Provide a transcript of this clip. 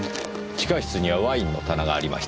地下室にはワインの棚がありました。